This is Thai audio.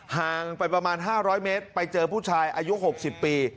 ห่างไปประมาณห้าร้อยเมตรไปเจอผู้ชายอายุหกสิบปี